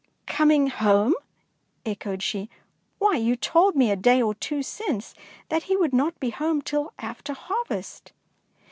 " Coming home," echoed she; " why, you told me a day or two since that he would not be home till after harvest."